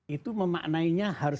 itu memaknainya harus